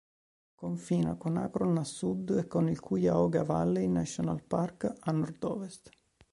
Confina con Akron a sud e con il Cuyahoga Valley National Park a nordovest.